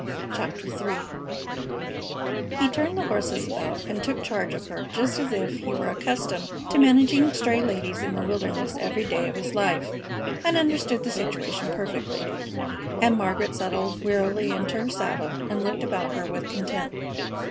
CHAPTER III He turned the horses about and took charge of her just as if he were accustomed to managing stray ladies in the wilderness every day of his life and understood the situation perfectly; and Margaret settled wearily into her saddle and looked about her with content.